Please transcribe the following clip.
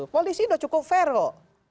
polisi sudah cukup fair kok